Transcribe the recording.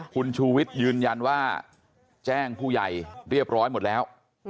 คุณชูวิทย์ยืนยันว่าแจ้งผู้ใหญ่เรียบร้อยหมดแล้ว